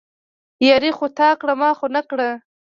ياري خو تا کړه، ما خو نه کړه